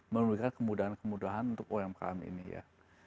memberikan kemudahan kemudahan untuk umkm ini ya